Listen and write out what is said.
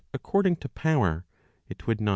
according to power, it would not b.